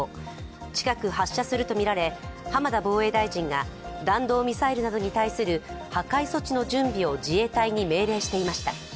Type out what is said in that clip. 近く発射するとみられ浜田防衛大臣が弾道ミサイルなどに対する破壊措置の準備を自衛隊に命令していました。